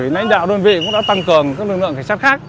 lãnh đạo đơn vị cũng đã tăng cường các lực lượng cảnh sát khác